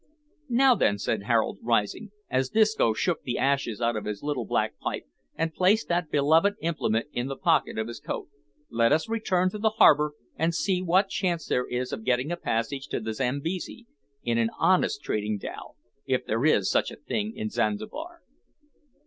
"Now, then," said Harold, rising, as Disco shook the ashes out of his little black pipe, and placed that beloved implement in the pocket of his coat, "let us return to the harbour, and see what chance there is of getting a passage to the Zambesi, in an honest trading dhow if there is such a thing in Zanzibar."